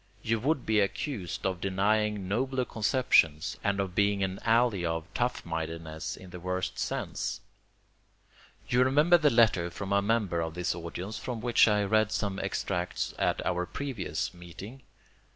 You would be accused of denying nobler conceptions, and of being an ally of tough mindedness in the worst sense. You remember the letter from a member of this audience from which I read some extracts at our previous meeting.